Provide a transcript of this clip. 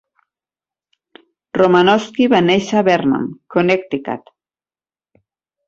Romanowski va néixer a Vernon, Connecticut.